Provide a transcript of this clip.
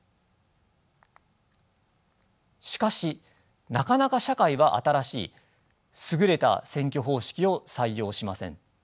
しかしなかなか社会は新しい優れた選挙方式を採用しません。